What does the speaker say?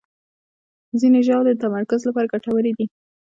ځینې ژاولې د تمرکز لپاره ګټورې دي.